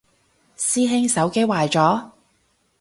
師兄手機壞咗？